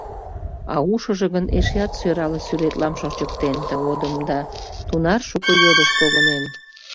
А ушыжо гын эшеат сӧрале сӱретлам шочыктен тыгодым, да тунар шуко йодыш погынен!